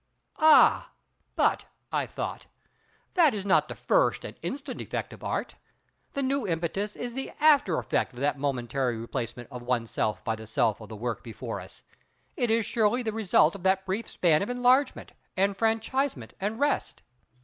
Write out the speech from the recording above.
Ah! but—I though—that is not the first and instant effect of Art; the new impetus is the after effect of that momentary replacement of oneself by the self of the work before us; it is surely the result of that brief span of enlargement, enfranchisement, and rest.